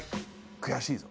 悔しいぞ。